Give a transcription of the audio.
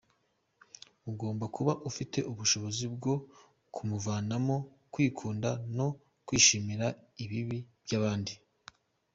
Ugomba kuba ufite ubushobozi bwo kumuvanamo kwikunda no kwishimira ibibi by’abandi.